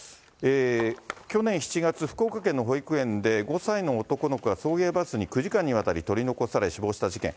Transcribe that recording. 去年７月、福岡県の保育園で、５歳の男の子が送迎バスに９時間にわたり取り残され死亡した事件。